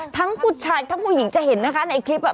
ทั้งผู้ชายทั้งผู้หญิงจะเห็นนะคะในคลิปอ่ะ